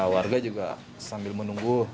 warga juga sambil menunggu